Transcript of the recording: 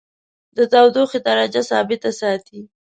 د تودیخي درجه ثابته ساتي.